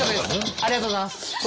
ありがとうございます！